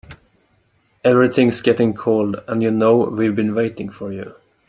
Everything's getting cold and you know we've been waiting for you.